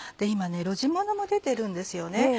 今路地物も出てるんですよね。